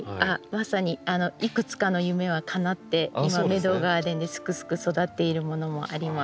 まさにいくつかの夢はかなって今メドウガーデンですくすく育っているものもあります。